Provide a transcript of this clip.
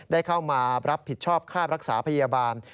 ได้เข้ามารับผิดชอบค่ารักษาพยาบาล